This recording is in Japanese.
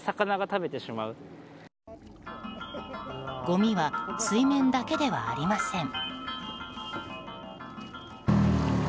ごみは水面だけではありません。